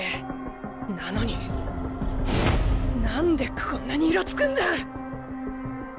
なのに何でこんなにイラつくんだ！